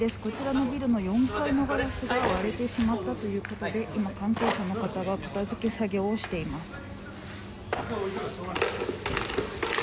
こちらのビルの４階の窓ガラスが割れてしまったということで今、担当者の方が片付け作業をしています。